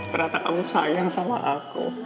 ternyata kamu sayang sama aku